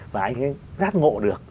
và anh ấy rát ngộ được